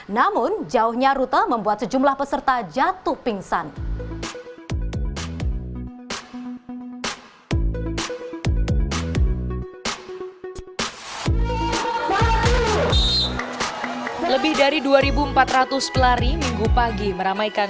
namun jauhnya rute membuat sejumlah peserta jatuh pingsan